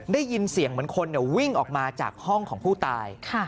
ได้ยินเสียงเหมือนคนวิ่งออกมาจากห้องของผู้ตาย